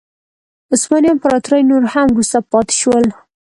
عثماني امپراتوري نور هم وروسته پاتې شول.